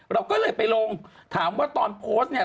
เราก็เลยไปลงถามว่าตอนโพสต์เนี่ย